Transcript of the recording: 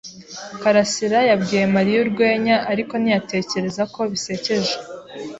Karasirayabwiye Mariya urwenya, ariko ntiyatekereza ko bisekeje.